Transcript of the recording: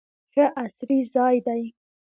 ښه عصري ځای دی.